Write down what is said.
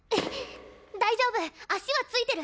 大丈夫足はついてる！